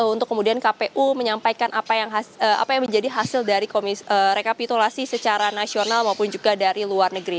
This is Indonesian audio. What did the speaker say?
untuk kemudian kpu menyampaikan apa yang menjadi hasil dari rekapitulasi secara nasional maupun juga dari luar negeri